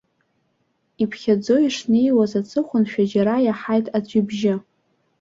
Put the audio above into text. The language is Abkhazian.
Иԥхьаӡо ишнеиуаз, аҵыхәаншәа џьара иаҳаит аӡә ибжьы.